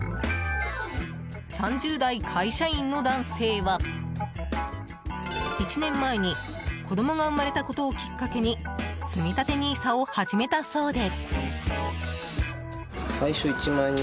３０代会社員の男性は１年前に子供が生まれたことをきっかけにつみたてＮＩＳＡを始めたそうで。